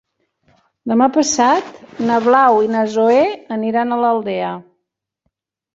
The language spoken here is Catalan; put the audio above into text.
Demà passat na Blau i na Zoè aniran a l'Aldea.